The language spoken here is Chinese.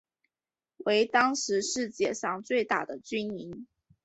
为当时世界上最大的军营。